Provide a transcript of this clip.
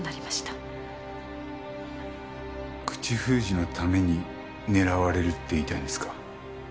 口封じのために狙われるって言いたいんですか？